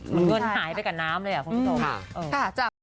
มันเงินหายไปกับน้ำเลยคุณผู้ชม